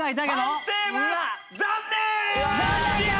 判定は残念！